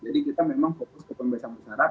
jadi kita memang fokus ke pembesaran